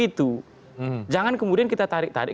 itu jangan kemudian kita tarik tarik